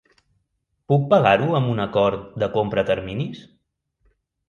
Puc pagar-ho amb un acord de compra a terminis?